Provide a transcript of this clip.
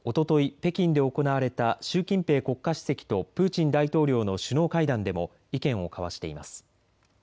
北京で行われた習近平国家主席とプーチン大統領の首脳会談でも意見を交わしています。